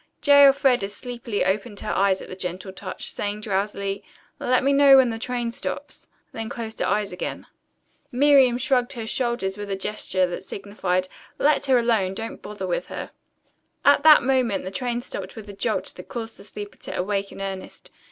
J. Elfreda sleepily opened her eyes at the gentle touch, saying drowsily, "Let me know when the train stops." Then closed her eyes again. Miriam shrugged her shoulders with a gesture that signified, "Let her alone. Don't bother with her." At that moment the train stopped with a jolt that caused the sleeper to awake in earnest.